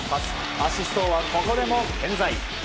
アシスト王はここでも健在。